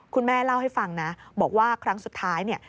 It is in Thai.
คุณแม่เล่าให้ฟังนะบอกว่าครั้งสุดท้ายเนี่ย